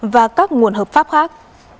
và các nguồn hợp pháp khác